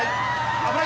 危ない。